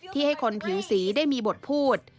ให้คนผิวสีได้มีบทพูด